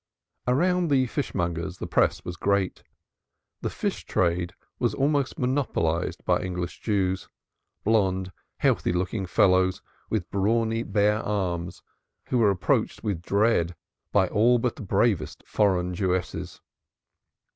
"' Around the fishmongers the press was great. The fish trade was almost monopolized by English Jews blonde, healthy looking fellows, with brawny, bare arms, who were approached with dread by all but the bravest foreign Jewesses.